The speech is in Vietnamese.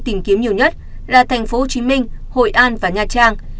tìm kiếm nhiều nhất là thành phố hồ chí minh hội an và nha trang